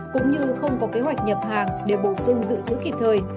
cũng như không có kế hoạch nhập hàng để bổ sung dự trữ kịp thời